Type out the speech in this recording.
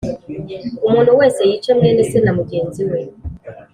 umuntu wese yice mwene se na mugenzi we